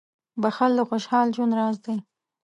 • بښل د خوشحال ژوند راز دی.